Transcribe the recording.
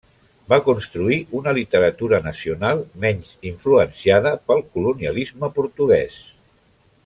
Va construir una literatura nacional menys influenciada pel colonialisme portuguès.